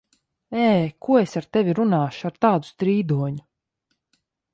Ē! Ko es ar tevi runāšu, ar tādu strīdoņu?